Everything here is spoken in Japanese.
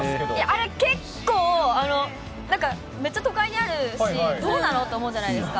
あれ、結構、なんかめっちゃ都会にあるし、どうなの？と思うじゃないですか。